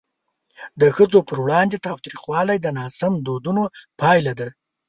د ښځو پر وړاندې تاوتریخوالی د ناسم دودونو پایله ده.